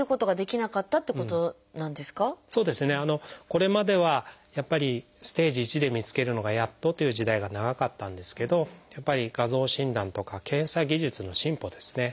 これまではやっぱりステージⅠで見つけるのがやっとという時代が長かったんですけどやっぱり画像診断とか検査技術の進歩ですね